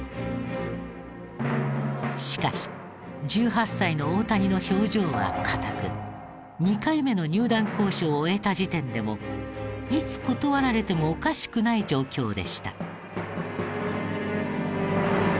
しかし１８歳の大谷の表情は硬く２回目の入団交渉を終えた時点でもいつ断られてもおかしくない状況でした。